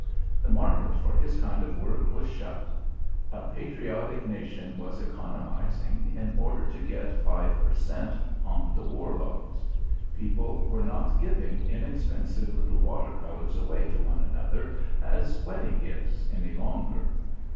The market for his kind of work was shut. A patriotic nation was economising in order to get five per cent on the War Loans. People were not giving inexpensive little water colours away to one another as wedding gifts any longer.